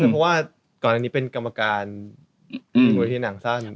เพราะว่าก่อนอันนี้เป็นกรรมการมูลนิธิหนังสั้น